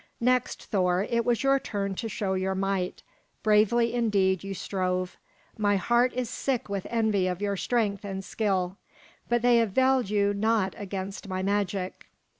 Next, Thor, it was your turn to show your might. Bravely indeed you strove. My heart is sick with envy of your strength and skill. But they availed you naught against my magic.